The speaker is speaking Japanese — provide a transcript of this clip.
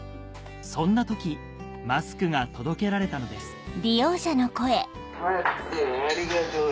そんな時マスクが届けられたのです